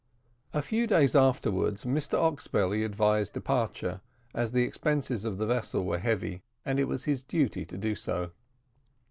A few days afterwards, Mr Oxbelly advised departure, as the expenses of the vessel were heavy, and it was his duty so to do.